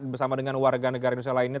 bersama dengan warga negara indonesia lainnya